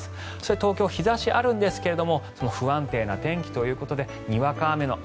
東京は日差しがあるんですが不安定な天気ということでにわか雨の。